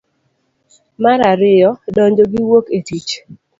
mar ariyo. donjo gi wuok e tich.